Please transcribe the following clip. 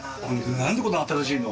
なんでこんな新しいの？